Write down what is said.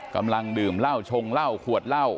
กำลังดื่มเล่าชงเล่าขวดเล่า